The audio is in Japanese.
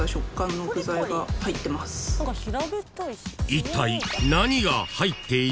［いったい］